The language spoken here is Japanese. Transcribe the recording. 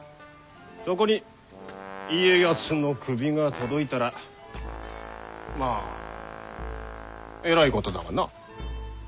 そこに家康の首が届いたらまあえらいことだわな。